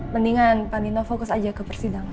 mendingan pak nino fokus aja ke persidangan